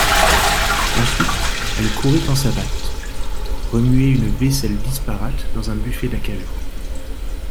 Ensuite elle courait en savates, remuer une vaisselle disparate dans un buffet d'acajou.